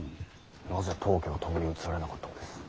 なぜ当家は共に移られなかったのです？